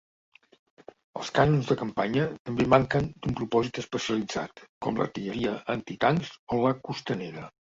Els canons de campanya també manquen d'un propòsit especialitzat, com l'artilleria antitancs o la costanera.